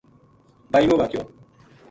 بائیوں واقعو